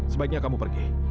sebaiknya kamu pergi